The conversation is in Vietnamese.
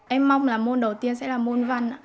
em mong là môn đầu tiên sẽ là môn văn